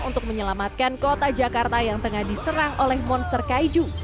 untuk menyelamatkan kota jakarta yang tengah diserang oleh monster kaiju